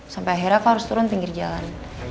sampai akhirnya aku harus turun pinggir jalan